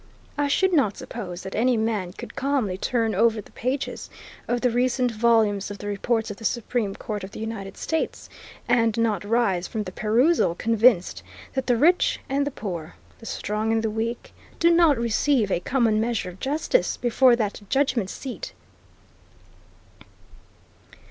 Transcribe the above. I should not suppose that any man could calmly turn over the pages of the recent volumes of the reports of the Supreme Court of the United States and not rise from the perusal convinced that the rich and the poor, the strong and the weak, do not receive a common measure of justice before that judgment seat.